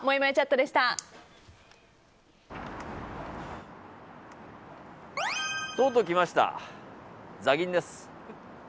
とうとう来ました、ザギンです。